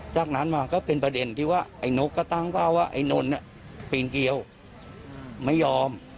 จากนั้นมาก็เป็นประเด็นที่ว่าไอ้นกก็ตั้งเป้าว่าไอ้นนปีนเกียวไม่ยอม